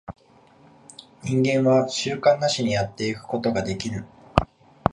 人間は習慣なしにやってゆくことができぬ。